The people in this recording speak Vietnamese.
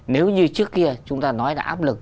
nếu như trước kia chúng ta nói đã áp lực